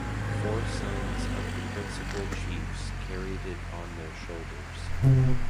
Four sons of the principal chiefs carried it on their shoulders.